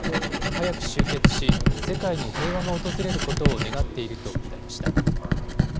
早く終結し、世界に平和が訪れることを願っていると訴えました。